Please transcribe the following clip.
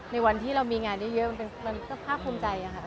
ในวันที่เรามีงานได้เยอะมันก็ภาพควรมใจ